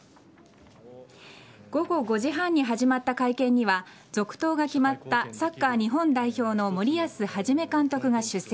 午後５時半に始まった会見には続投が決まったサッカー日本代表の森保一監督が出席。